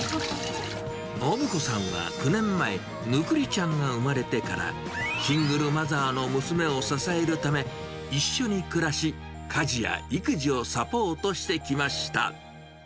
宣子さんはぬくりちゃんが生まれてから、シングルマザーの娘を支えるため、一緒に暮らし、家事や育児をサポートしてきました。